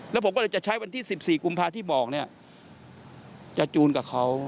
แล้วผมก็เลยจะใช้วันที่๑๔กุมภาที่บอกเนี่ยจะจูนกับเขา